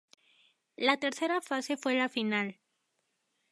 La tercera fase fue la final.